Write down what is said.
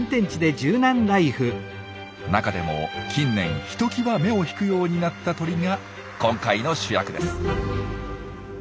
中でも近年ひときわ目を引くようになった鳥が今回の主役です。